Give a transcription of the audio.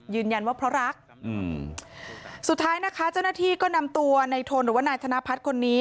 ยืนยันว่าเพราะรักสุดท้ายนะคะเจ้าหน้าที่ก็นำตัวนายทนหรือว่านายธนาพัดคนนี้